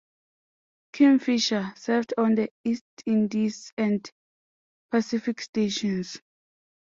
"Kingfisher" served on the East Indies and Pacific Stations.